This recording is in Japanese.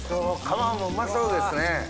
皮もうまそうですね。